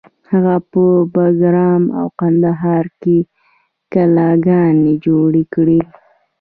هغه په بګرام او کندهار کې کلاګانې جوړې کړې